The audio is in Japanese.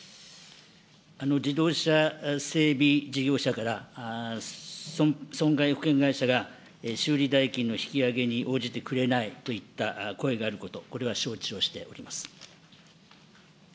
自動車整備事業者から、損害保険会社が修理代金の引き上げに応じてくれないといった声があること、これは承知をしております。